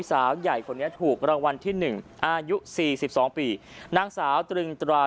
สาวใหญ่คนนี้ถูกรางวัลที่หนึ่งอายุสี่สิบสองปีนางสาวตรึงตรา